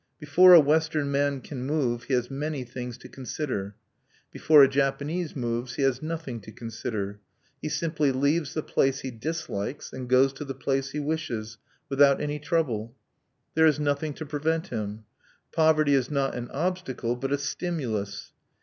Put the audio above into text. Before a Western man can move he has many things to consider. Before a Japanese moves he has nothing to consider. He simply leaves the place he dislikes, and goes to the place he wishes, without any trouble. There is nothing to prevent him. Poverty is not an obstacle, but a stimulus.